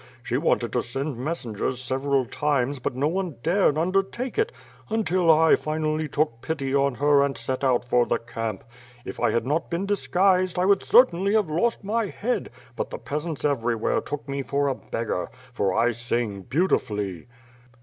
She wanted to send messengers several times but no one dared undertake it until I finally took pity on her and set out for the camp. If I had not been disguised, I would certainly have lost my head but the peasants everywhere took me for a beggar; for I sing beautifully."